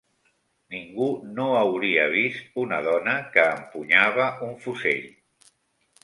Ningú no hauria vist una dona que empunyava un fusell.